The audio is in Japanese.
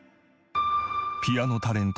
ピアノタレント。